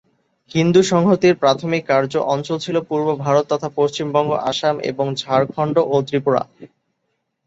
হিন্দু সংহতির প্রাথমিক কার্য অঞ্চল ছিল পূর্ব ভারত তথা পশ্চিমবঙ্গ, আসাম এবং ঝাড়খণ্ড ও ত্রিপুরা।